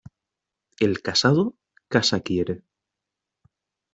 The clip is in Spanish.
El casado casa quiere.